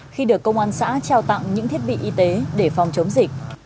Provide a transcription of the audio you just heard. khi được công an xã trao tặng những thiết bị y tế để phòng chống dịch